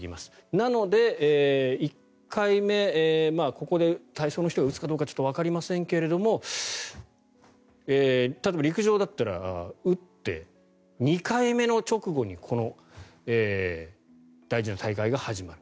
なので、１回目ここで体操の人が打つかどうかちょっとわかりませんが例えば陸上だったら打って、２回目の直後にこの大事な大会が始まる。